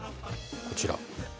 こちら。